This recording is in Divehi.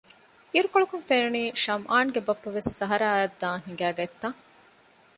އިރުކޮޅަކުން ފެނުނީ ޝަމްއާންގެ ބައްޕަވެސް ސަހަރާއަށް ދާން ހިނގައިގަތްތަން